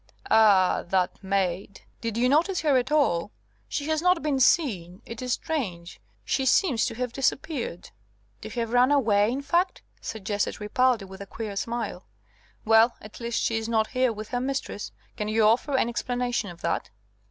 "Ah! that maid. Did you notice her at all? She has not been seen. It is strange. She seems to have disappeared." "To have run away, in fact?" suggested Ripaldi, with a queer smile. "Well, at least she is not here with her mistress. Can you offer any explanation of that?"